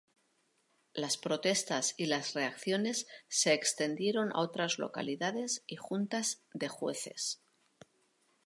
Las protestas y las reacciones se extendieron a otras localidades y Juntas de Jueces.